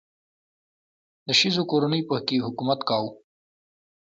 د شیزو کورنۍ په کې حکومت کاوه.